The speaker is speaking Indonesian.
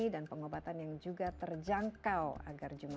dan pengobatan yang juga terjangkau